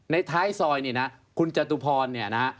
ท้ายซอยเนี่ยนะคุณจตุพรเนี่ยนะฮะ